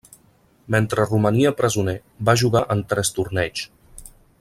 Mentre romania presoner, va jugar en tres torneigs.